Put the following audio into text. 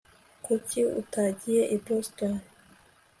kuki utagiye i boston